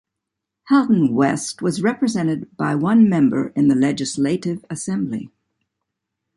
Halton West was represented by one member in the Legislative Assembly.